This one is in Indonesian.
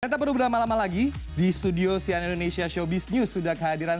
dan tak perlu berlama lama lagi di studio sian indonesia showbiz news sudah kehadiran